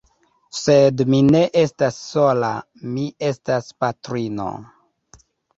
Sed mi ne estas sola, mi estas patrino!